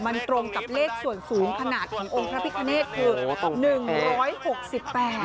มันตรงกับเลขส่วน๐ขนาดที่องค์พระพิฆาเนตคือ๑๖๘